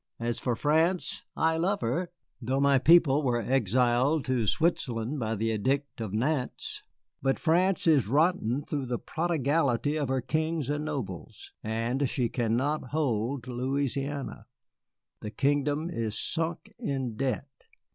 As for France, I love her, though my people were exiled to Switzerland by the Edict of Nantes. But France is rotten through the prodigality of her kings and nobles, and she cannot hold Louisiana. The kingdom is sunk in debt."